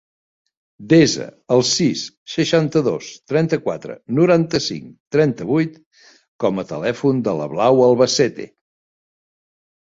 Desa el sis, seixanta-dos, trenta-quatre, noranta-cinc, trenta-vuit com a telèfon de la Blau Albacete.